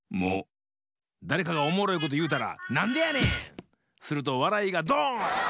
だれかがおもろいこというたら「なんでやねん！」。するとわらいがドーン！